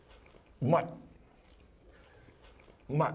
うまい。